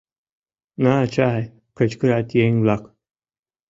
На чай!» — кычкырат еҥ-влак.